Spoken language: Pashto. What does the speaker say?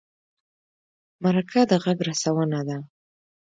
مرکه د غږ رسونه ده.